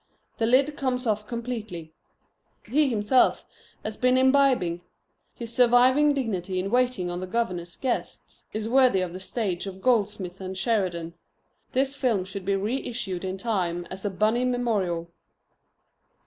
The lid comes off completely. He himself has been imbibing. His surviving dignity in waiting on the governor's guests is worthy of the stage of Goldsmith and Sheridan. This film should be reissued in time as a Bunny memorial.